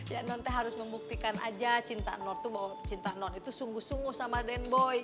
ya nonte harus membuktikan aja cinta non itu sungguh sungguh sama den boy